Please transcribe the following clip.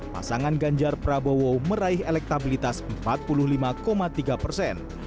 pasangan ganjar prabowo meraih elektabilitas empat puluh lima tiga persen